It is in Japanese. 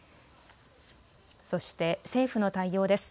そして政府の対応です。